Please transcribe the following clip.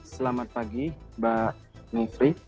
selamat pagi mbak nifri